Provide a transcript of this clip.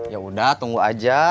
ya udah tunggu aja